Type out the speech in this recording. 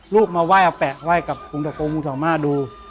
ลูกมาไหว้อาแปะไหว้กับพรุ่งต่อโกงพรุ่งต่อมาดู